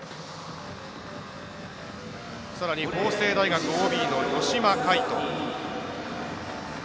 さらに法政大学ＯＢの吉間海斗。